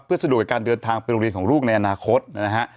เพื่อสะดวกกับการเดินทางไปโรงเรียนของลูกในอนาคตนะฮะ